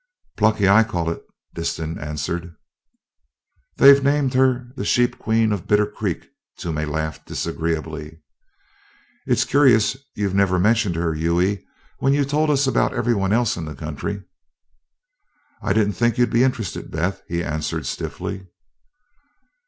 "Plucky, I call it," Disston answered. "They've named her the 'Sheep Queen of Bitter Crick.'" Toomey laughed disagreeably. "It's curious you've never mentioned her, Hughie, when you've told us about everyone else in the country." "I didn't think you'd be interested, Beth," he answered stiffly.